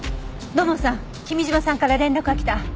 土門さん君嶋さんから連絡が来た。